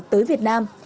tới việt nam